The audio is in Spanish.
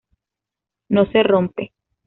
No se rompe"".